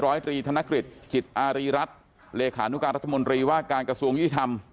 ร้อยตรีธนกฤษจิตอารีรัฐเลขานุการรัฐมนตรีว่าการกระทรวงยี่ธรรม